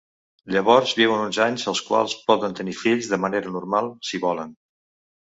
Llavors viuen uns anys als quals poden tenir fills de manera normal, si volen.